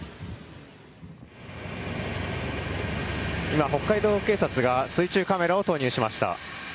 今、北海道警察が水中カメラを投入しました。